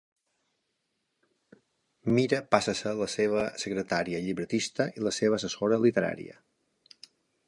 Mira passa a ser la seva secretària, llibretista, i la seva assessora literària.